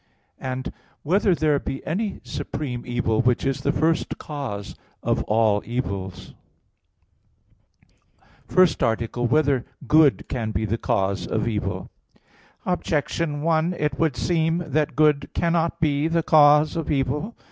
(3) Whether there be any supreme evil, which is the first cause of all evils? _______________________ FIRST ARTICLE [I, Q. 49, Art. 1] Whether Good Can Be the Cause of Evil? Objection 1: It would seem that good cannot be the cause of evil.